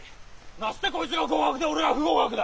なすてこいつが合格で俺が不合格だ？